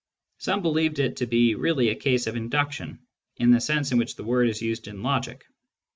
Some believed it to be really a case of induction, in the sense in which that word is used in logic.